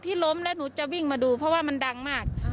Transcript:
ล้มแล้วหนูจะวิ่งมาดูเพราะว่ามันดังมาก